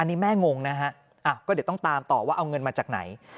อันนี้แม่งงนะฮะก็เดี๋ยวต้องตามต่อว่าเอาเงินมาจากไหน